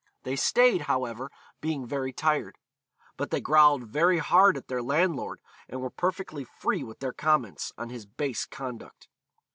They stayed, however, being very tired. But they growled very hard at their landlord and were perfectly free with their comments on his base conduct.